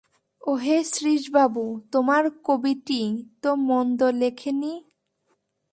ওহে শ্রীশবাবু, তোমার কবিটি তো মন্দ লেখে নি!